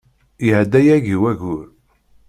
Iɛedda yagi wayyur.